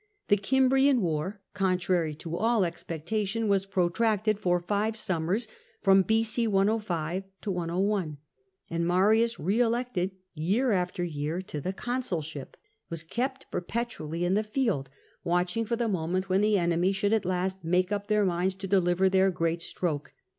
The Oimbrian war, contrary to all ex pectation, was protracted for five summers (b.c. 105 101), and MariuSj re elected year after year to the consulship, VICTORIES OF MARIUS 97 ' was kept perpetually in the field, watcting for the moment when the enemy should at last make up their minds to deliver their great stroke.